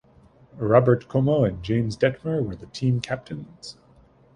Robert Como and James Detmer were the team captains.